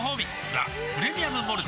「ザ・プレミアム・モルツ」